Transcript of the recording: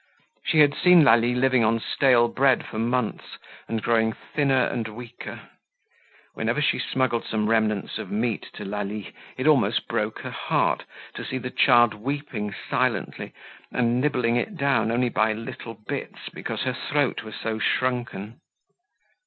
She had seen Lalie living on stale bread for months and growing thinner and weaker. Whenever she smuggled some remnants of meat to Lalie, it almost broke her heart to see the child weeping silently and nibbling it down only by little bits because her throat was so shrunken.